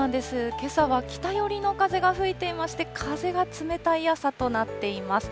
けさは北寄りの風が吹いていまして、風が冷たい朝となっています。